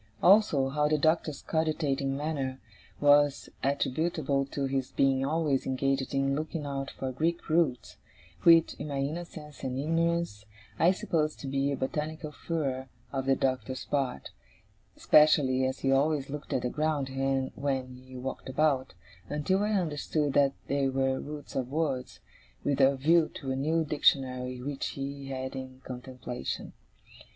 Also, how the Doctor's cogitating manner was attributable to his being always engaged in looking out for Greek roots; which, in my innocence and ignorance, I supposed to be a botanical furor on the Doctor's part, especially as he always looked at the ground when he walked about, until I understood that they were roots of words, with a view to a new Dictionary which he had in contemplation.